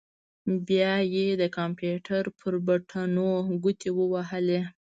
بيا يې د کمپيوټر پر بټنو ګوتې ووهلې.